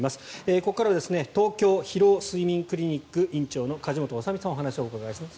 ここからは東京疲労・睡眠クリニック院長の梶本修身さんお話をお伺いします。